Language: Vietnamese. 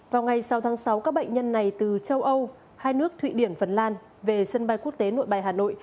vào ngày sáu tháng sáu các bệnh nhân này từ châu âu hai nước thụy điển phần lan về sân bay quốc tế nội bài hà nội